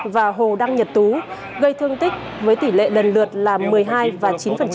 và hồ đăng nhật tú gây thương tích với tỷ lệ lần lượt là một mươi hai và chín